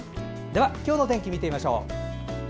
では、今日の天気見てみましょう。